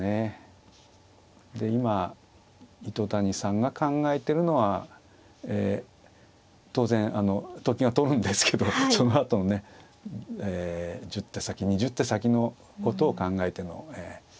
で今糸谷さんが考えてるのは当然と金は取るんですけどそのあとのね１０手先２０手先のことを考えての。